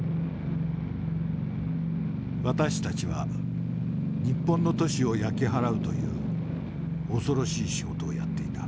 「私たちは日本の都市を焼き払うという恐ろしい仕事をやっていた。